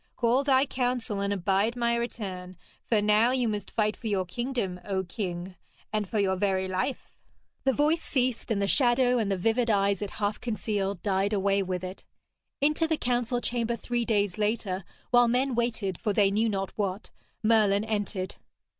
Call thy council, and abide my return, for now you must fight for your kingdom, O king, and for your very life.' The voice ceased, and the shadow and the vivid eyes it half concealed died away with it. Into the council chamber three days later, while men waited for they knew not what, Merlin entered.